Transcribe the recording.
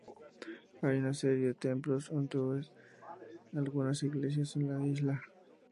Hay una serie de templos hindúes y algunas iglesias en la isla.